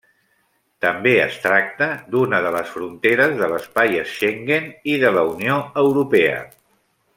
També es tracta d'una de les fronteres de l'espai Schengen i de la Unió Europea.